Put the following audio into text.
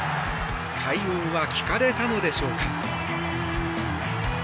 快音は聞かれたのでしょうか。